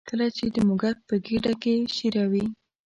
کله چې د موږک په ګېډه کې شېره وي.